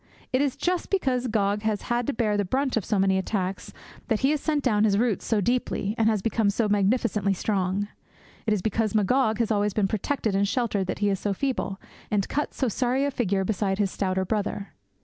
It is just because Gog has had to bear the brunt of so many attacks that he has sent down his roots so deeply and has become so magnificently strong. It is because Magog has always been protected and sheltered that he is so feeble, and cuts so sorry a figure beside his stouter brother.